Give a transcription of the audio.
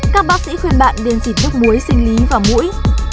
các bác sĩ khuyên bạn điên xịt nước muối xinh lý vào mũi